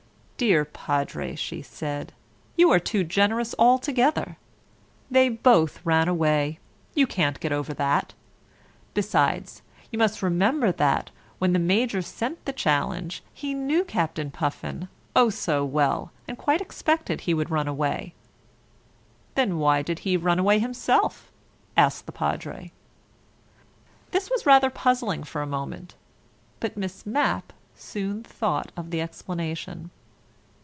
"Dear Padre," she said, "you are too generous altogether. They both ran away: you can't get over that. Besides you must remember that, when the Major sent the challenge, he knew Captain Puffin, oh so well, and quite expected he would run away " "Then why did he run away himself?" asked the Padre. This was rather puzzling for a moment, but Miss Mapp soon thought of the explanation.